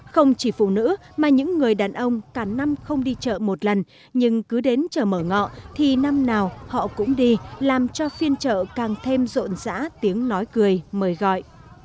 không chỉ phụ nữ mà những người đàn ông cả năm không đi chợ một lần nhưng cứ đến chợ mở ngọ thì năm nào họ cũng đi làm cho phiên chợ càng thêm rộn rã tiếng nói cười mời gọi